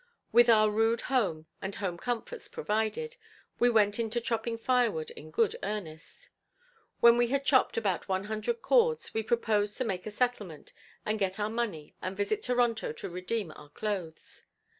With our rude home and home comforts provided, we went into chopping firewood in good earnest. When we had chopped about one hundred cords, we proposed to make a settlement, and get our money and visit Toronto to redeem our clothes.